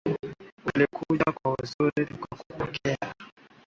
Ulikuja kwa uzuri tukakupokea.